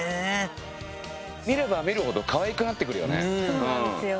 見れば見るほどかわいくなってくるよね。